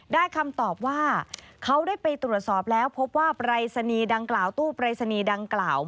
คำตอบว่าเขาได้ไปตรวจสอบแล้วพบว่าปรายศนีย์ดังกล่าวตู้ปรายศนีย์ดังกล่าว